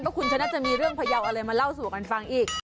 เพราะคุณฉันน่าจะมีเรื่องพายาวอะไรมาเล่าสู่กันฟังอีก